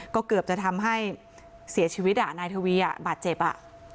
ก็เกือบจะทำให้เสียชีวิตอ่ะนายทวีอ่ะบาดเจ็บอ่ะ